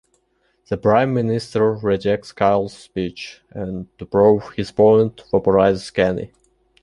The Prime Minister rejects Kyle's speech, and to prove his point, vaporizes Kenny.